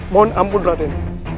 mohon ampun raden